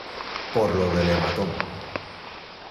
por lo del hematoma.